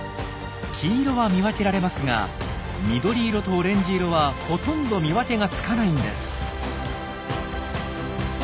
黄色は見分けられますが緑色とオレンジ色はほとんど見分けがつかないんです。